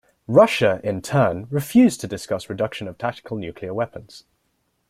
Russia, in turn, refused to discuss reduction of tactical nuclear weapons.